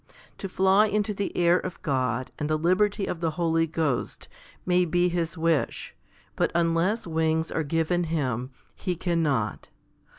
To fly into the air of God and the liberty of the Holy Ghost may be his wish, but unless wings are given him, he cannot.